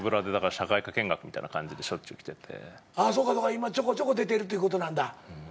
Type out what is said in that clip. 今ちょこちょこ出てるということなんだ。